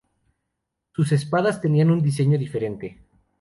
Sus espadas tenían un diseño diferente.